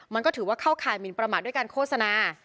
มันก็ถือว่าเข้าข่ายหมินประมาทด้วยการโฆษณา